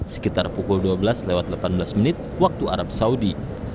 sekitar pukul dua belas lewat delapan belas menit waktu arab saudi